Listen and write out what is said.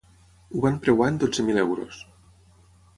Ho van preuar en dotze mil euros.